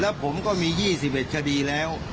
แล้วผมก็มี๒๑คดีแล้ว